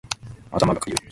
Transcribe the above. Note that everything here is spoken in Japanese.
頭がかゆい